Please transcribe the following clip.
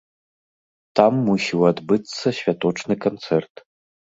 Там мусіў адбыцца святочны канцэрт.